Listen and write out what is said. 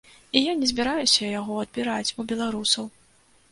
І я не збіраюся яго адбіраць у беларусаў.